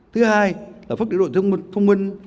thứ hai là phát triển đô thị thông minh